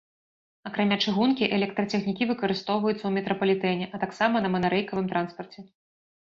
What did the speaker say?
Акрамя чыгункі, электрацягнікі выкарыстоўваюцца ў метрапалітэне, а таксама на манарэйкавым транспарце.